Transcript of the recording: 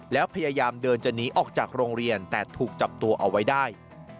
แล้วพยายามเดินจะหนีออกจากโรงเรียนแต่ถูกจับตัวเอาไว้ได้